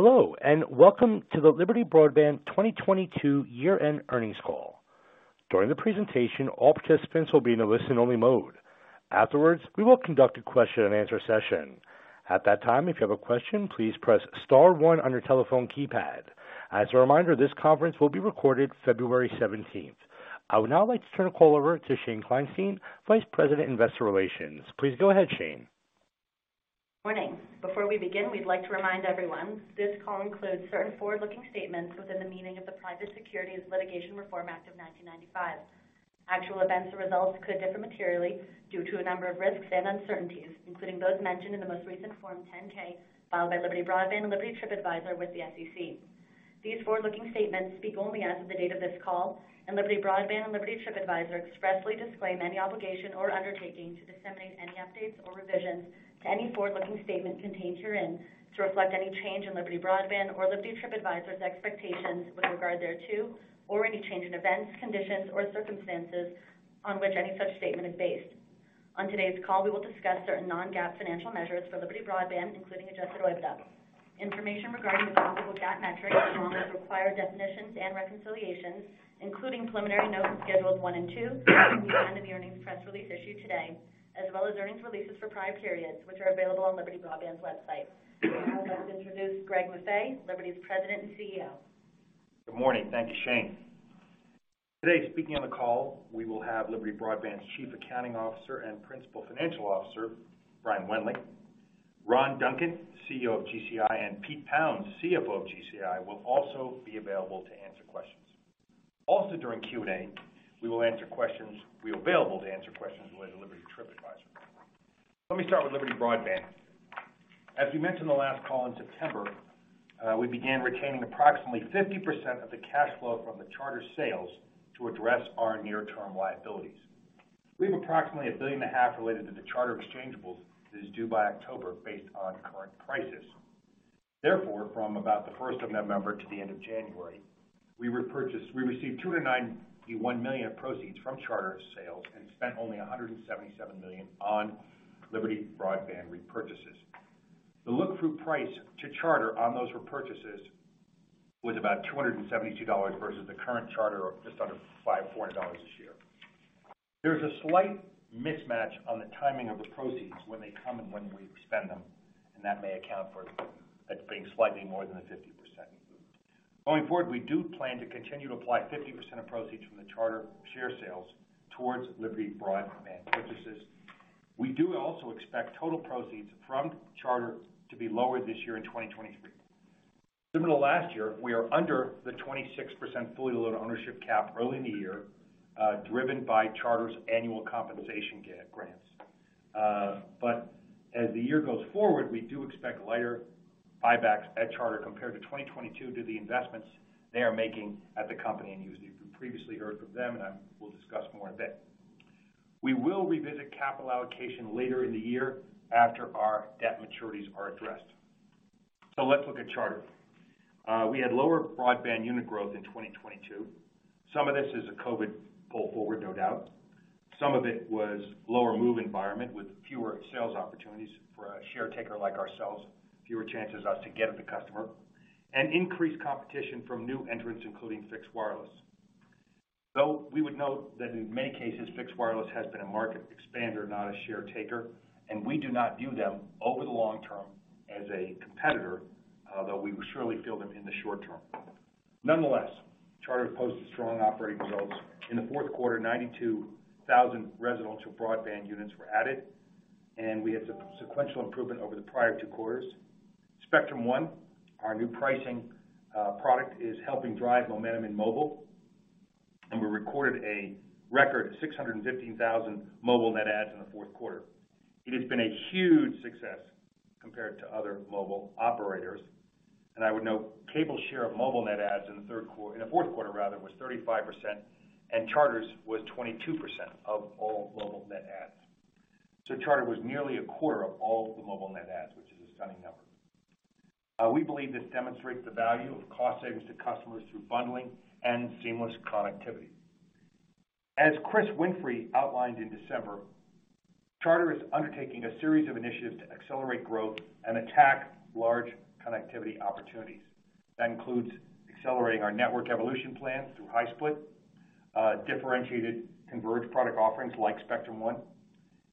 Hello, welcome to the Liberty Broadband 2022 year-end earnings call. During the presentation, all participants will be in a listen-only mode. Afterwards, we will conduct a question and answer session. At that time, if you have a question, please press star one on your telephone keypad. As a reminder, this conference will be recorded February 17th. I would now like to turn the call over to Shane Kleinstein, Vice President, Investor Relations. Please go ahead, Shane. Morning. Before we begin, we'd like to remind everyone this call includes certain forward-looking statements within the meaning of the Private Securities Litigation Reform Act of 1995. Actual events or results could differ materially due to a number of risks and uncertainties, including those mentioned in the most recent Form 10-K filed by Liberty Broadband and Liberty Tripadvisor with the SEC. These forward-looking statements speak only as of the date of this call, and Liberty Broadband and Liberty Tripadvisor expressly disclaim any obligation or undertaking to disseminate any updates or revisions to any forward-looking statement contained herein to reflect any change in Liberty Broadband or Liberty Tripadvisor's expectations with regard thereto, or any change in events, conditions, or circumstances on which any such statement is based. On today's call, we will discuss certain non-GAAP financial measures for Liberty Broadband, including Adjusted OIBDA. Information regarding the applicable GAAP metrics along with required definitions and reconciliations, including preliminary notes and schedules one and two, can be found in the earnings press release issued today, as well as earnings releases for prior periods, which are available on Liberty Broadband's website. I would now like to introduce Greg Maffei, Liberty's President and CEO. Good morning. Thank you, Shane. Today, speaking on the call, we will have Liberty Broadband's Chief Accounting Officer and Principal Financial Officer, Brian Wendling. Ron Duncan, CEO of GCI, and Pete Pounds, CFO of GCI, will also be available to answer questions. Also, during Q&A, we will be available to answer questions related to Liberty Tripadvisor. Let me start with Liberty Broadband. As we mentioned the last call in September, we began retaining approximately 50% of the cash flow from the Charter sales to address our near-term liabilities. We have approximately $1.5 billion related to the Charter exchangeables that is due by October based on current prices. From about the first of November to the end of January, we received $291 million of proceeds from Charter sales and spent only $177 million on Liberty Broadband repurchases. The look-through price to Charter on those repurchases was about $272 versus the current Charter of just under $400 a share. There's a slight mismatch on the timing of the proceeds when they come and when we spend them, and that may account for it being slightly more than the 50%. Going forward, we do plan to continue to apply 50% of proceeds from the Charter share sales towards Liberty Broadband purchases. We do also expect total proceeds from Charter to be lower this year in 2023. Similar to last year, we are under the 26% fully load ownership cap early in the year, driven by Charter's annual compensation grants. As the year goes forward, we do expect lighter buybacks at Charter compared to 2022 due to the investments they are making at the company, and you've previously heard from them, and I will discuss more in a bit. We will revisit capital allocation later in the year after our debt maturities are addressed. Let's look at Charter. We had lower broadband unit growth in 2022. Some of this is a COVID pull forward, no doubt. Some of it was lower move environment with fewer sales opportunities for a share taker like ourselves, fewer chances us to get at the customer, and increased competition from new entrants, including fixed wireless. We would note that in many cases, fixed wireless has been a market expander, not a share taker, and we do not view them over the long term as a competitor, though we surely feel them in the short term. Nonetheless, Charter posted strong operating results. In the fourth quarter, 92,000 residential broadband units were added. We had sequential improvement over the prior two quarters. Spectrum One, our new pricing product, is helping drive momentum in mobile, and we recorded a record 615,000 mobile net adds in the fourth quarter. It has been a huge success compared to other mobile operators. I would note cable share of mobile net adds in the fourth quarter rather, was 35%, and Charter's was 22% of all mobile net adds. Charter was nearly a quarter of all the mobile net adds, which is a stunning number. We believe this demonstrates the value of cost savings to customers through bundling and seamless connectivity. As Chris Winfrey outlined in December, Charter is undertaking a series of initiatives to accelerate growth and attack large connectivity opportunities. That includes accelerating our network evolution plans through high-split, differentiated converged product offerings like Spectrum One,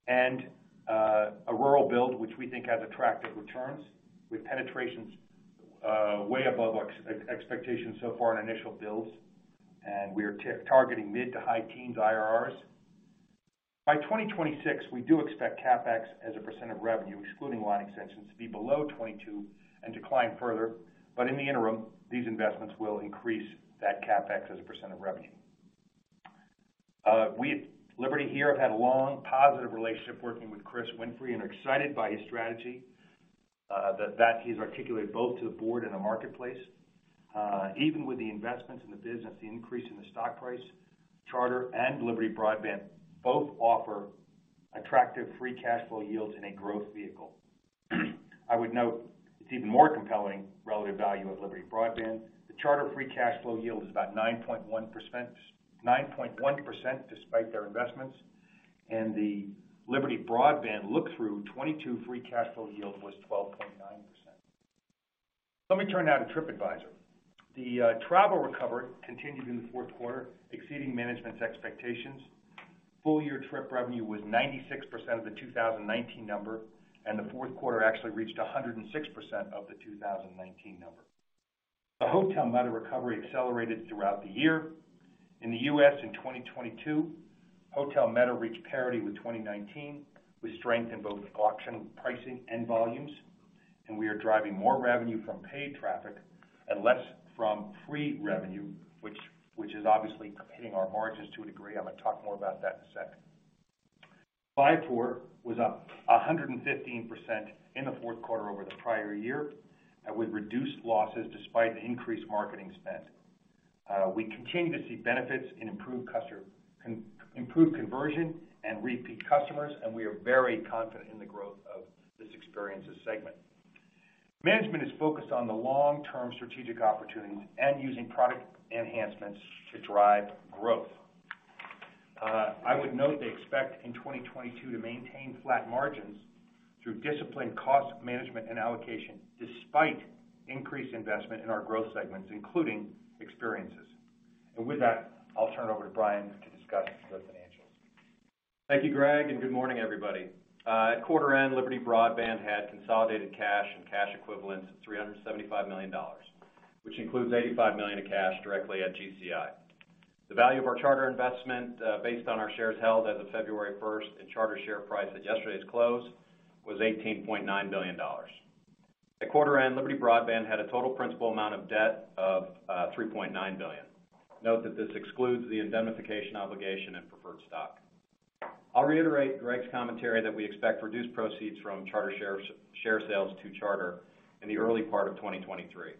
and a rural build, which we think has attractive returns with penetrations way above expectations so far in initial builds. We are targeting mid to high teens IRRs. By 2026, we do expect CapEx as a % of revenue, excluding line extensions, to be below 22% and decline further. In the interim, these investments will increase that CapEx as a % of revenue. We at Liberty here have had a long, positive relationship working with Chris Winfrey and are excited by his strategy that he's articulated both to the board and the marketplace. Even with the investments in the business, the increase in the stock price, Charter and Liberty Broadband both offer attractive free cash flow yields in a growth vehicle. I would note it's even more compelling relative value of Liberty Broadband. The Charter free cash flow yield is about 9.1% despite their investments. The Liberty Broadband look through 2022 free cash flow yield was 12.9%. Let me turn now to Tripadvisor. The travel recovery continued in the fourth quarter, exceeding management's expectations. Full year trip revenue was 96% of the 2019 number. The fourth quarter actually reached 106% of the 2019 number. The hotel meta recovery accelerated throughout the year. In the U.S. in 2022, hotel meta reached parity with 2019, with strength in both auction pricing and volumes. We are driving more revenue from paid traffic and less from free revenue, which is obviously hitting our margins to a degree. I'm gonna talk more about that in a second. Viator was up 115% in the fourth quarter over the prior year, with reduced losses despite increased marketing spend. We continue to see benefits in improved conversion and repeat customers. We are very confident in the growth of this experiences segment. Management is focused on the long-term strategic opportunities and using product enhancements to drive growth. I would note they expect in 2022 to maintain flat margins through disciplined cost management and allocation despite increased investment in our growth segments, including experiences. With that, I'll turn it over to Brian to discuss the financials. Thank you, Greg. Good morning, everybody. At quarter end, Liberty Broadband had consolidated cash and cash equivalents of $375 million, which includes $85 million of cash directly at GCI. The value of our Charter investment, based on our shares held as of February 1st and Charter share price at yesterday's close, was $18.9 billion. At quarter end, Liberty Broadband had a total principal amount of debt of $3.9 billion. Note that this excludes the indemnification obligation and preferred stock. I'll reiterate Greg's commentary that we expect reduced proceeds from Charter share sales to Charter in the early part of 2023.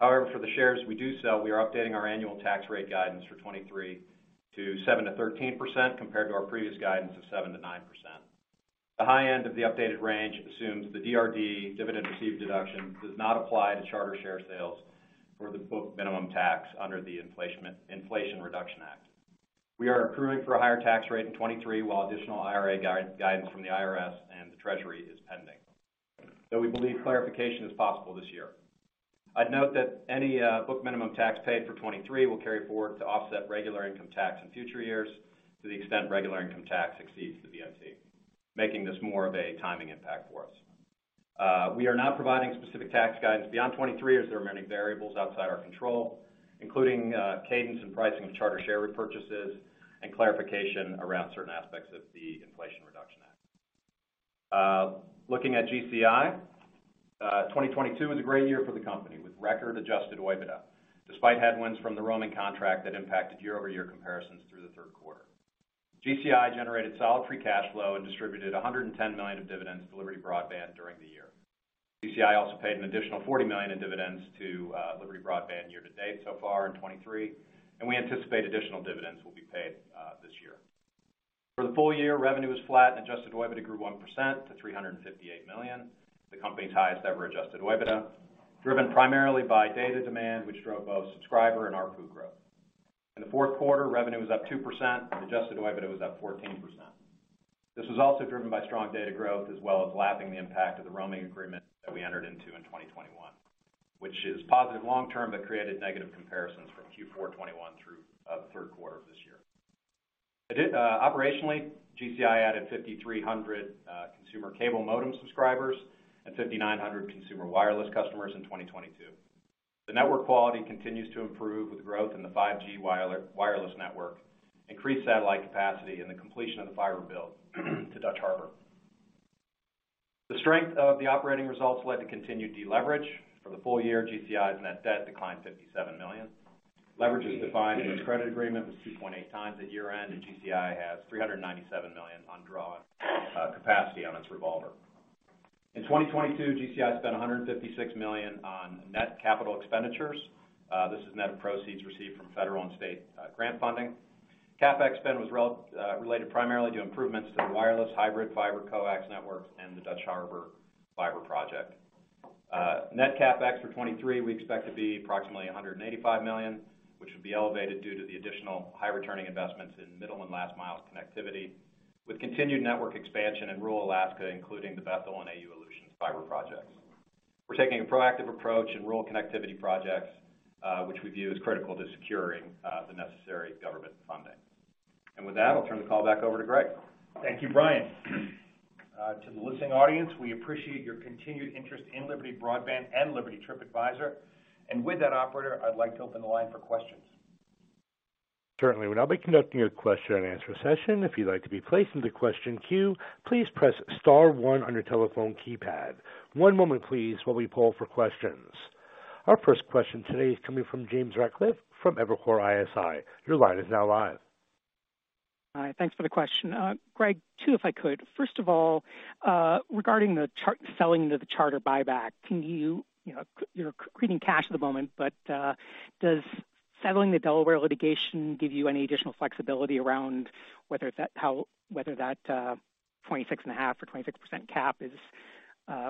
For the shares we do sell, we are updating our annual tax rate guidance for 2023 to 7%-13% compared to our previous guidance of 7%-9%. The high end of the updated range assumes the DRD, dividends-received deduction, does not apply to Charter share sales for the book minimum tax under the Inflation Reduction Act. We are accruing for a higher tax rate in 23, while additional IRA guidance from the IRS and the Treasury is pending, though we believe clarification is possible this year. I'd note that any book minimum tax paid for 23 will carry forward to offset regular income tax in future years to the extent regular income tax exceeds the BMT, making this more of a timing impact for us. We are not providing specific tax guidance beyond 23 as there are many variables outside our control, including cadence and pricing of Charter share repurchases and clarification around certain aspects of the Inflation Reduction Act. Looking at GCI, 2022 was a great year for the company, with record Adjusted OIBDA, despite headwinds from the roaming contract that impacted year-over-year comparisons through the third quarter. GCI generated solid free cash flow and distributed $110 million of dividends to Liberty Broadband during the year. GCI also paid an additional $40 million in dividends to Liberty Broadband year to date so far in 2023. We anticipate additional dividends will be paid this year. For the full year, revenue was flat and Adjusted OIBDA grew 1% to $358 million, the company's highest ever Adjusted OIBDA, driven primarily by data demand, which drove both subscriber and ARPU growth. In the fourth quarter, revenue was up 2% and Adjusted OIBDA was up 14%. This was also driven by strong data growth as well as lapping the impact of the roaming agreement that we entered into in 2021, which is positive long term but created negative comparisons from Q4 2021 through third quarter of this year. Operationally, GCI added 5,300 consumer cable modem subscribers and 5,900 consumer wireless customers in 2022. The network quality continues to improve with growth in the 5G wire-wireless network, increased satellite capacity, and the completion of the fiber build to Dutch Harbor. The strength of the operating results led to continued deleverage. For the full year, GCI's net debt declined $57 million. Leverage is defined in its credit agreement with 2.8 times at year-end, and GCI has $397 million undrawn capacity on its revolver. In 2022, GCI spent $156 million on net capital expenditures. This is net of proceeds received from federal and state grant funding. CapEx spend was related primarily to improvements to the wireless hybrid fiber coax network and the Dutch Harbor fiber project. Net CapEx for 2023 we expect to be approximately $185 million, which would be elevated due to the additional high returning investments in middle and last mile connectivity, with continued network expansion in rural Alaska, including the Bethel and AU-Aleutians fiber projects. We're taking a proactive approach in rural connectivity projects, which we view as critical to securing the necessary government funding. With that, I'll turn the call back over to Greg. Thank you, Brian. To the listening audience, we appreciate your continued interest in Liberty Broadband and Liberty Tripadvisor. With that, operator, I'd like to open the line for questions. Certainly. We'll now be conducting a question-and-answer session. If you'd like to be placed into question queue, please press star one on your telephone keypad. One moment please while we poll for questions. Our first question today is coming from James Ratcliffe from Evercore ISI. Your line is now live. Hi. Thanks for the question. Greg, two, if I could. First of all, regarding selling the Charter buyback, You know, you're creating cash at the moment, but, does settling the Delaware litigation give you any additional flexibility around whether that whether that, 26.5 or 26% cap is.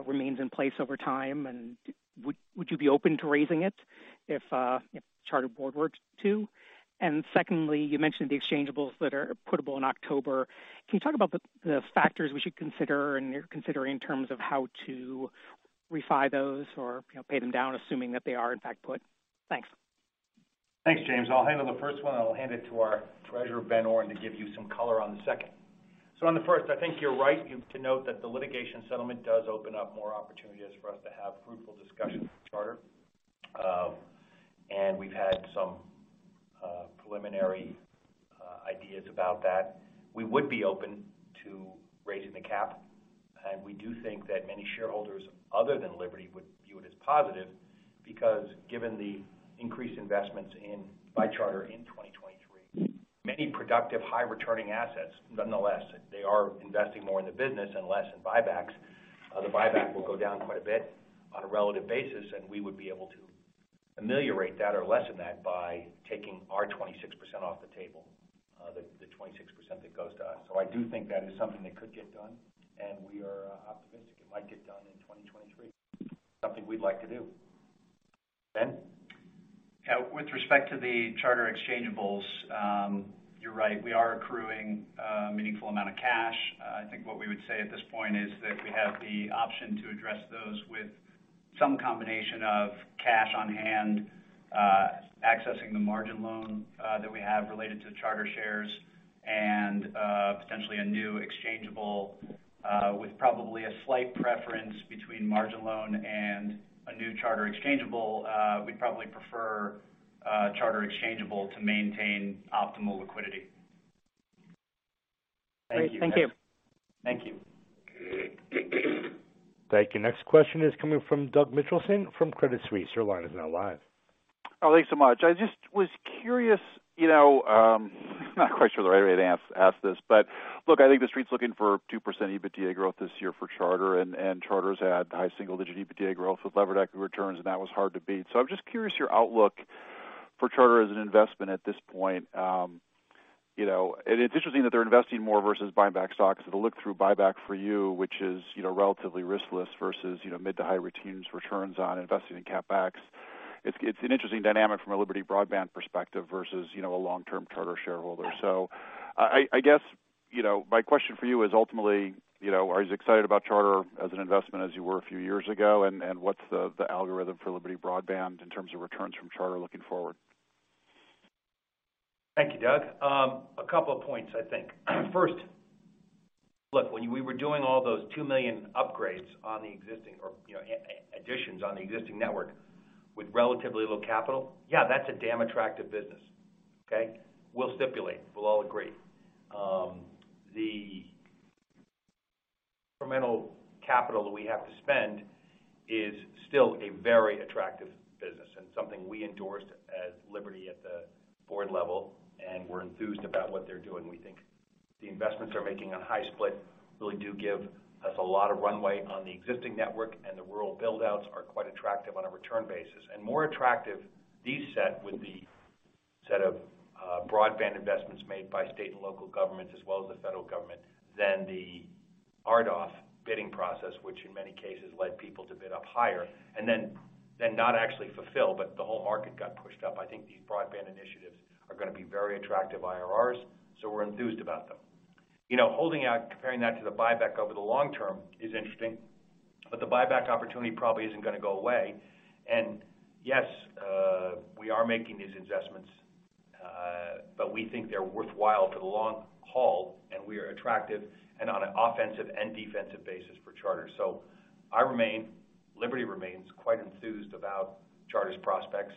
Remains in place over time and would you be open to raising it if Charter board works to? Secondly, you mentioned the exchangeables that are puttable in October. Can you talk about the factors we should consider and you're considering in terms of how to refi those or, you know, pay them down, assuming that they are in fact put? Thanks. Thanks, James. I'll handle the first one, and I'll hand it to our treasurer, Ben Oren, to give you some color on the second. On the first, I think you're right to note that the litigation settlement does open up more opportunities for us to have fruitful discussions with Charter. We've had some preliminary ideas about that. We would be open to raising the cap, and we do think that many shareholders other than Liberty would view it as positive because given the increased investments by Charter in 2023, many productive high returning assets, nonetheless, they are investing more in the business and less in buybacks. The buyback will go down quite a bit on a relative basis, and we would be able to ameliorate that or lessen that by taking our 26% off the table, the 26% that goes to us. I do think that is something that could get done and we are optimistic it might get done in 2023. Something we'd like to do. Ben. With respect to the Charter exchangeables, you're right. We are accruing a meaningful amount of cash. I think what we would say at this point is that we have the option to address those with some combination of cash on hand, accessing the margin loan that we have related to Charter shares and potentially a new exchangeable with probably a slight preference between margin loan and a new Charter exchangeable. We'd probably prefer Charter exchangeable to maintain optimal liquidity. Thank you. Great. Thank you. Thank you. Thank you. Next question is coming from Douglas Mitchelson from Credit Suisse. Your line is now live. Thanks so much. I just was curious, you know, not quite sure the right way to ask this. Look, I think the street's looking for 2% EBITDA growth this year for Charter, and Charter's had high single-digit EBITDA growth with levered equity returns, and that was hard to beat. I'm just curious your outlook for Charter as an investment at this point. You know, it's interesting that they're investing more versus buying back stocks. It's a look-through buyback for you, which is, you know, relatively riskless versus, you know, mid-to-high teens returns on investing in CapEx. It's an interesting dynamic from a Liberty Broadband perspective versus, you know, a long-term Charter shareholder. I guess, you know, my question for you is ultimately, you know, are you as excited about Charter as an investment as you were a few years ago? What's the algorithm for Liberty Broadband in terms of returns from Charter looking forward? Thank you, Doug. A couple of points, I think. First, look, when we were doing all those 2 million upgrades on the existing or, you know, additions on the existing network with relatively low capital, yeah, that's a damn attractive business. Okay? We'll stipulate, we'll all agree. The incremental capital that we have to spend is still a very attractive business and something we endorsed as Liberty at the board level, and we're enthused about what they're doing. We think the investments they're making on high-split really do give us a lot of runway on the existing network, and the rural build-outs are quite attractive on a return basis. More attractive these set with the set of broadband investments made by state and local governments as well as the federal government than the RDOF bidding process, which in many cases led people to bid up higher and then not actually fulfill, but the whole market got pushed up. I think these broadband initiatives are gonna be very attractive IRRs, so we're enthused about them. You know, holding out, comparing that to the buyback over the long term is interesting, but the buyback opportunity probably isn't gonna go away. Yes, we are making these investments, but we think they're worthwhile for the long haul, and we are attractive and on an offensive and defensive basis for Charter. I remain, Liberty remains quite enthused about Charter's prospects.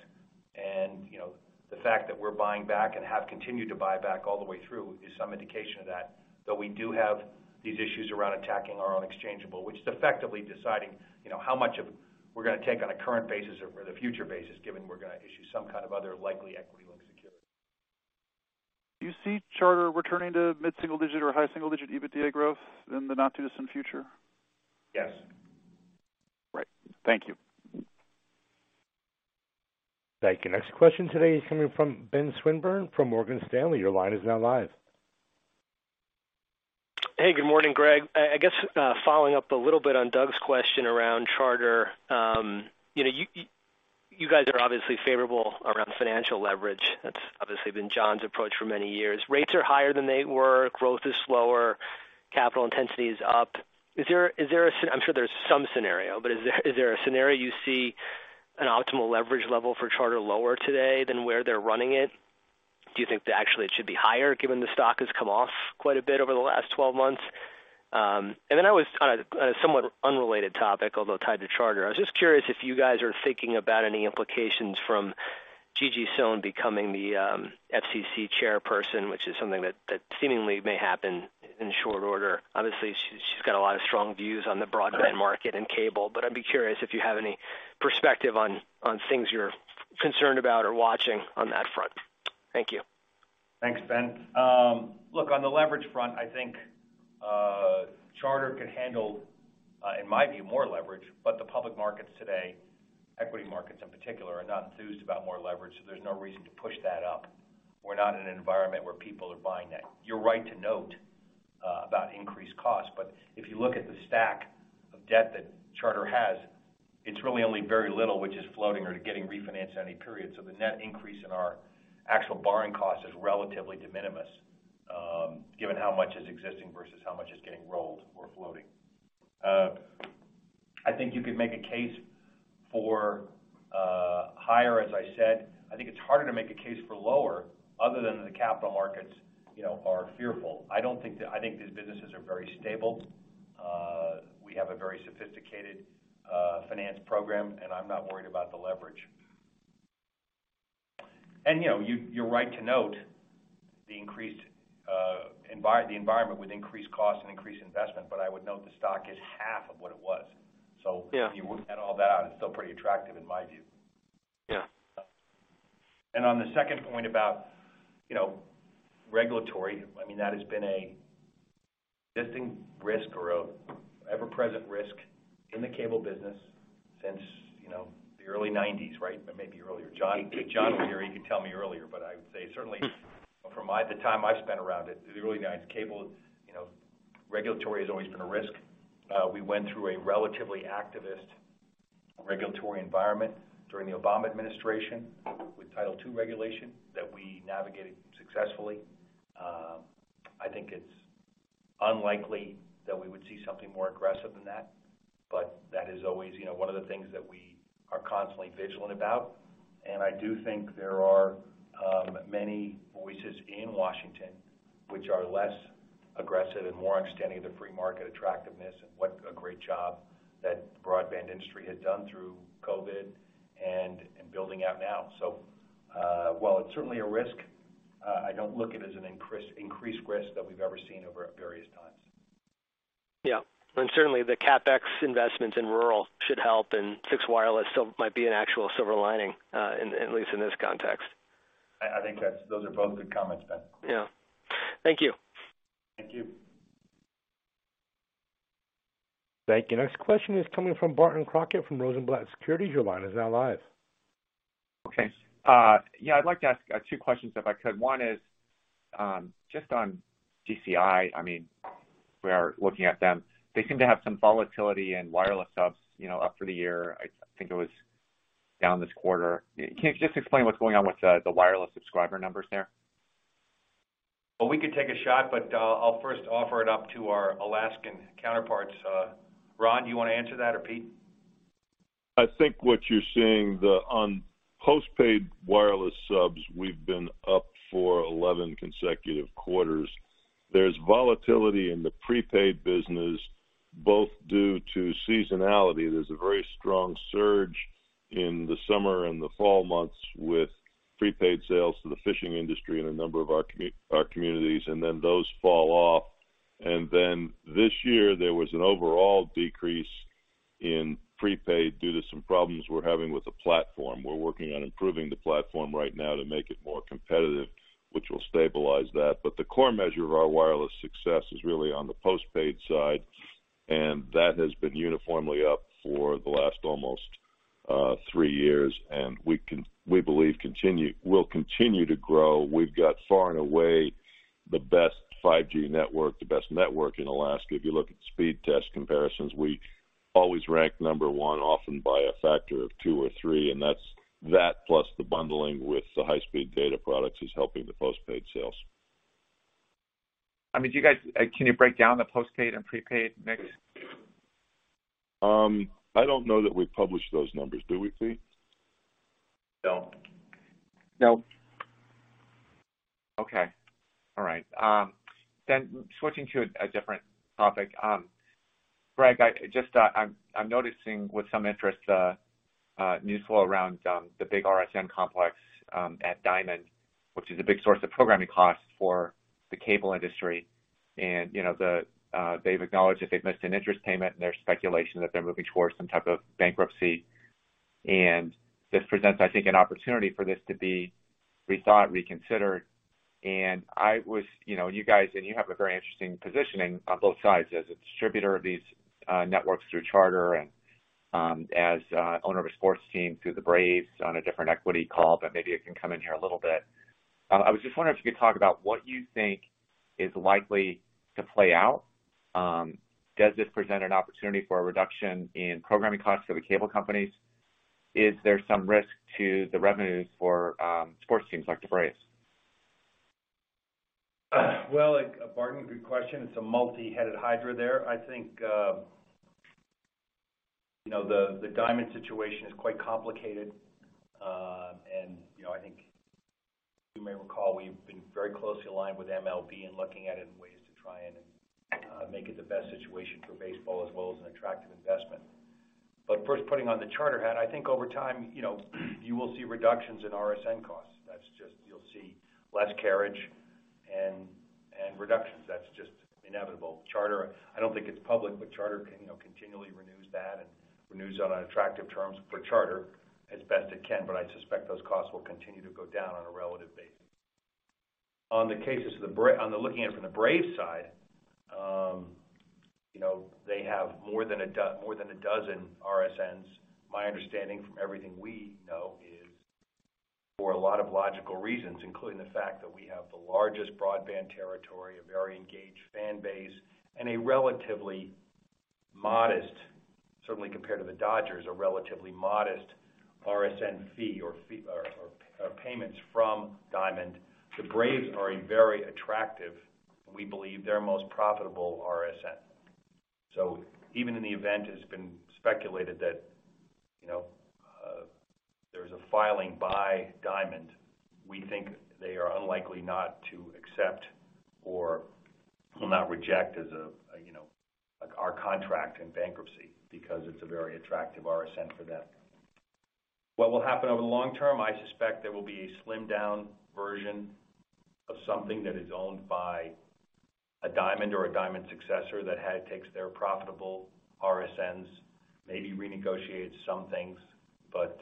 You know, the fact that we're buying back and have continued to buy back all the way through is some indication of that, though we do have these issues around attacking our own exchangeable, which is effectively deciding, you know, how much of we're gonna take on a current basis or the future basis, given we're gonna issue some kind of other likely equity-like security. Do you see Charter returning to mid-single digit or high single-digit EBITDA growth in the not too distant future? Yes. Right. Thank you. Thank you. Next question today is coming from Benjamin Swinburne from Morgan Stanley. Your line is now live. Hey, good morning, Greg. I guess, following up a little bit on Doug's question around Charter, you know, you guys are obviously favorable around financial leverage. That's obviously been John's approach for many years. Rates are higher than they were. Growth is slower. Capital intensity is up. Is there, I'm sure there's some scenario, but is there a scenario you see an optimal leverage level for Charter lower today than where they're running it? Do you think that actually it should be higher given the stock has come off quite a bit over the last 12 months? Then I was kinda on a somewhat unrelated topic, although tied to Charter. I was just curious if you guys are thinking about any implications from Gigi Sohn becoming the FCC chairperson, which is something that seemingly may happen in short order. Obviously, she's got a lot of strong views on the broadband market and cable, but I'd be curious if you have any perspective on things you're concerned about or watching on that front. Thank you. Thanks, Ben. Look, on the leverage front, I think Charter could handle, in my view, more. Public markets today, equity markets in particular, are not enthused about more leverage, so there's no reason to push that up. We're not in an environment where people are buying that. You're right to note about increased costs, but if you look at the stack of debt that Charter has, it's really only very little which is floating or getting refinanced any period. The net increase in our actual borrowing cost is relatively de minimis, given how much is existing versus how much is getting rolled or floating. I think you could make a case for higher, as I said. I think it's harder to make a case for lower other than the capital markets, you know, are fearful. I don't think that. I think these businesses are very stable. We have a very sophisticated finance program, and I'm not worried about the leverage. You know, you're right to note the increased the environment with increased costs and increased investment, but I would note the stock is half of what it was. Yeah. If you add all that, it's still pretty attractive in my view. Yeah. On the second point about, you know, regulatory, I mean, that has been a distinct risk or an ever-present risk in the cable business since, you know, the early 90s, right? Maybe earlier. John Malone can tell me earlier, but I would say certainly from the time I've spent around it, the early 90s cable, you know, regulatory has always been a risk. We went through a relatively activist regulatory environment during the Obama administration with Title II regulation that we navigated successfully. I think it's unlikely that we would see something more aggressive than that. That is always, you know, one of the things that we are constantly vigilant about. I do think there are many voices in Washington which are less aggressive and more extending the free market attractiveness and what a great job that broadband industry had done through COVID and building out now. While it's certainly a risk, I don't look at it as an increased risk that we've ever seen over at various times. Yeah. Certainly the CapEx investments in rural should help, and 6 Wireless still might be an actual silver lining in at least in this context. I think those are both good comments, Ben. Yeah. Thank you. Thank you. Thank you. Next question is coming from Barton Crockett, from Rosenblatt Securities. Your line is now live. Okay. Yeah, I'd like to ask two questions if I could. One is, just on GCI. I mean, we are looking at them. They seem to have some volatility in wireless subs, you know, up for the year. I think it was down this quarter. Can you just explain what's going on with the wireless subscriber numbers there? Well, we could take a shot, but, I'll first offer it up to our Alaskan counterparts. Ron, do you wanna answer that or Pete? I think what you're seeing on postpaid wireless subs, we've been up for 11 consecutive quarters. There's volatility in the prepaid business, both due to seasonality. There's a very strong surge in the summer and the fall months with prepaid sales to the fishing industry in a number of our communities, and then those fall off. This year, there was an overall decrease in prepaid due to some problems we're having with the platform. We're working on improving the platform right now to make it more competitive, which will stabilize that. The core measure of our wireless success is really on the postpaid side, and that has been uniformly up for the last almost 3 years. We believe will continue to grow. We've got far and away the best 5G network, the best network in Alaska. If you look at speed test comparisons, we always rank number one, often by a factor of two or three, and that's that plus the bundling with the high-speed data products is helping the postpaid sales. I mean, Can you break down the postpaid and prepaid mix? I don't know that we publish those numbers. Do we, Pete? No. No. Okay. All right. Then switching to a different topic. Greg, I just, I'm noticing with some interest news flow around the big RSN complex at Diamond, which is a big source of programming costs for the cable industry. You know, they've acknowledged that they've missed an interest payment and there's speculation that they're moving towards some type of bankruptcy. This presents, I think, an opportunity for this to be rethought, reconsidered. I was, you know, you guys, and you have a very interesting positioning on both sides as a distributor of these networks through Charter and as owner of a sports team through the Braves on a different equity call, but maybe it can come in here a little bit. I was just wondering if you could talk about what you think is likely to play out? Does this present an opportunity for a reduction in programming costs for the cable companies? Is there some risk to the revenues for sports teams like the Braves? Well, Barton, good question. It's a multi-headed hydra there. I think, you know, the Diamond situation is quite complicated. You know, I think you may recall we've been very closely aligned with MLB in looking at it in ways to try and make it the best situation for baseball as well as an attractive investment. First, putting on the Charter hat, I think over time, you know, you will see reductions in RSN costs. You'll see less carriage and reductions. That's just inevitable. Charter, I don't think it's public, but Charter, you know, continually renews that and renews it on attractive terms for Charter as best it can. I suspect those costs will continue to go down on a relative basis. On the cases of the looking at it from the Braves side, you know, they have more than 12 RSNs. My understanding from everything we know is for a lot of logical reasons, including the fact that we have the largest broadband territory, a very engaged fan base, and a relatively modest, certainly compared to the Dodgers, a relatively modest RSN fee or payments from Diamond. The Braves are a very attractive, we believe their most profitable RSN. Even in the event it's been speculated that, you know, there's a filing by Diamond, we think they are unlikely not to accept or will not reject as a, you know, our contract in bankruptcy because it's a very attractive RSN for them. What will happen over the long term? I suspect there will be a slimmed down version of something that is owned by a Diamond or a Diamond successor that had takes their profitable RSNs, maybe renegotiates some things, but,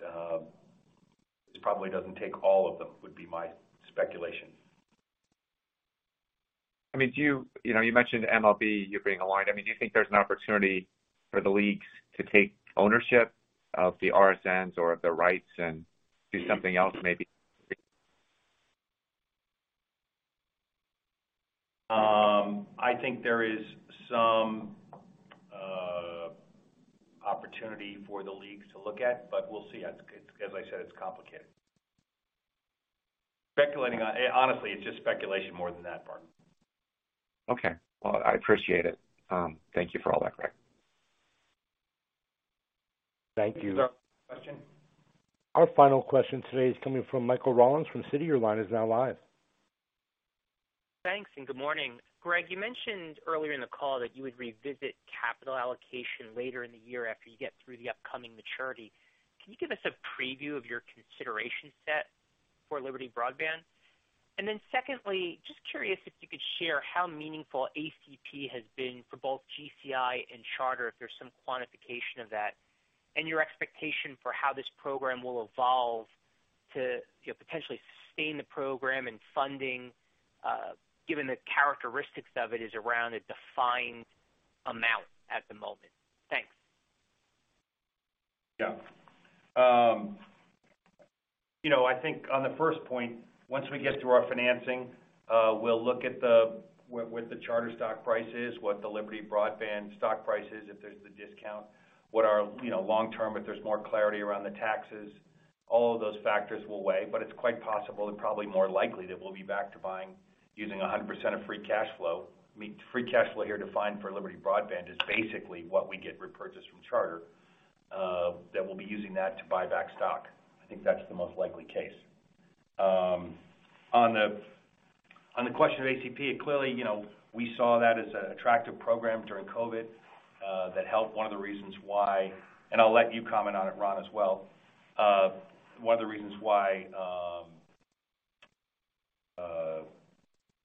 it probably doesn't take all of them, would be my speculation. I mean, you know, you mentioned MLB, you being aligned. I mean, do you think there's an opportunity for the leagues to take ownership of the RSNs or of the rights and do something else maybe? I think there is some opportunity for the leagues to look at, we'll see. As I said, it's complicated. Speculating, honestly, it's just speculation more than that, Barton. Okay. Well, I appreciate it. Thank you for all that, Greg. Thank you. Does that answer your question? Our final question today is coming from Michael Rollins from Citi. Your line is now live. Thanks. Good morning. Greg, you mentioned earlier in the call that you would revisit capital allocation later in the year after you get through the upcoming maturity. Can you give us a preview of your consideration set for Liberty Broadband? Secondly, just curious if you could share how meaningful ACP has been for both GCI and Charter, if there's some quantification of that, and your expectation for how this program will evolve to, you know, potentially sustain the program and funding, given the characteristics of it is around a defined amount at the moment. Thanks. Yeah. You know, I think on the first point, once we get through our financing, we'll look at what the Charter stock price is, what the Liberty Broadband stock price is, if there's the discount, what our, you know, long term, if there's more clarity around the taxes. All of those factors will weigh. It's quite possible and probably more likely that we'll be back to buying using 100% of free cash flow. Free cash flow here defined for Liberty Broadband is basically what we get repurchased from Charter, that we'll be using that to buy back stock. I think that's the most likely case. On the, on the question of ACP, clearly, you know, we saw that as an attractive program during COVID, that helped. One of the reasons why, and I'll let you comment on it, Ron, as well. One of the reasons why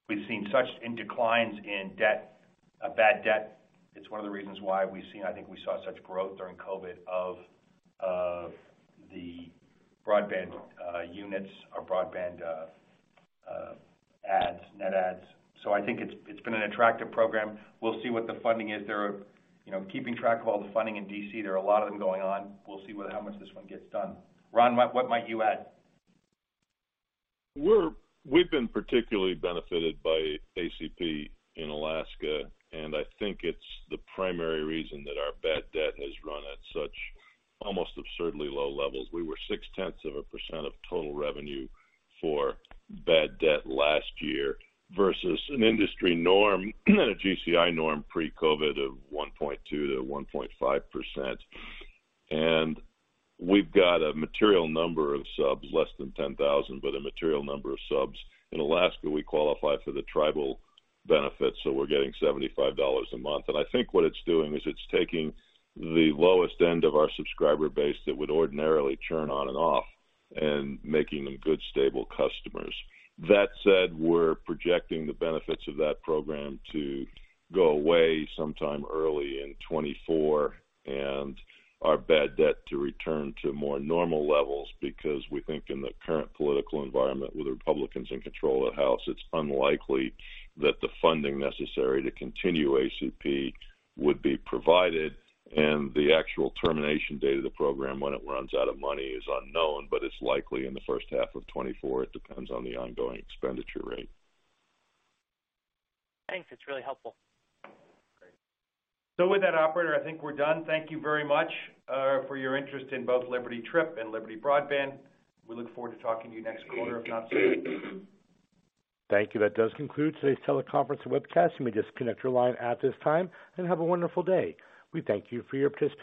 we've seen such in declines in debt, a bad debt. It's one of the reasons why we've seen, I think we saw such growth during COVID of the broadband units or broadband adds, net adds. I think it's been an attractive program. We'll see what the funding is there. You know, keeping track of all the funding in D.C., there are a lot of them going on. We'll see how much this one gets done. Ron, what might you add? We've been particularly benefited by ACP in Alaska. I think it's the primary reason that our bad debt has run at such almost absurdly low levels. We were 0.6% of total revenue for bad debt last year versus an industry norm, a GCI norm pre-COVID of 1.2%-1.5%. We've got a material number of subs, less than 10,000, but a material number of subs. In Alaska, we qualify for the tribal benefits, so we're getting $75 a month. I think what it's doing is it's taking the lowest end of our subscriber base that would ordinarily churn on and off and making them good, stable customers. That said, we're projecting the benefits of that program to go away sometime early in 2024 and our bad debt to return to more normal levels because we think in the current political environment, with the Republicans in control of the House, it's unlikely that the funding necessary to continue ACP would be provided. The actual termination date of the program when it runs out of money is unknown, but it's likely in the first half of 2024. It depends on the ongoing expenditure rate. Thanks. It's really helpful. Great. With that, operator, I think we're done. Thank you very much for your interest in both Liberty Trip and Liberty Broadband. We look forward to talking to you next quarter, if not sooner. Thank you. That does conclude today's teleconference and webcast. You may disconnect your line at this time. Have a wonderful day. We thank you for your participation.